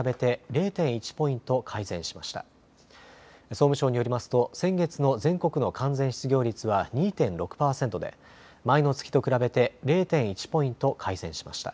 総務省によりますと先月の全国の完全失業率は２．６％で前の月と比べて０．１ポイント改善しました。